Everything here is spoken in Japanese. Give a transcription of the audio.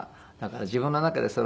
だから自分の中で。